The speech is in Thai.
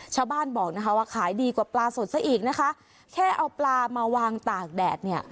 ชาวบ้านบอกนะคะว่าขายดีกว่าปลาสดซะอีกนะคะแค่เอาปลามาวางตากแดดเนี่ย